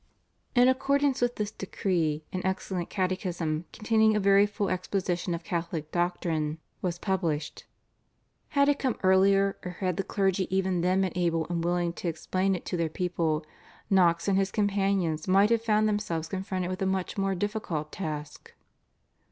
In accordance with this decree an excellent catechism containing a very full exposition of Catholic doctrine was published. Had it come earlier, or had the clergy even then been able and willing to explain it to their people, Knox and his companions might have found themselves confronted with a much more difficult task.